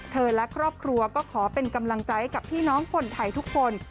และครอบครัวก็ขอเป็นกำลังใจกับพี่น้องคนไทยทุกคน